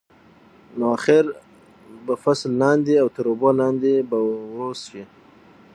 نو اخر به فصل لاندې او تر اوبو لاندې به وروست شي.